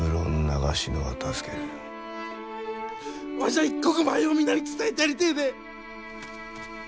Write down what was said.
無論わしゃ一刻も早う皆に伝えてやりてで！